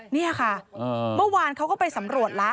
นี่ค่ะเมื่อวานเขาก็ไปสำรวจแล้ว